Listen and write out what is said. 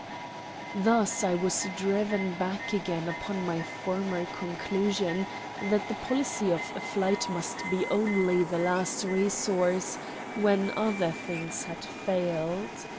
Thus I was driven back again upon my former conclusion that the policy of flight must be only the last resource when other things had failed.